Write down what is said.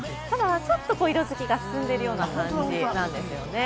ちょっと色づきが進んでる感じなんですね。